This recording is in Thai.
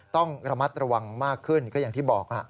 ต้องระมัดระวังมากขึ้นก็อย่างที่บอก